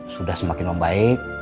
sudah semakin membaik